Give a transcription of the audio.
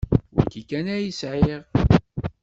D wayi kan ay sεiɣ.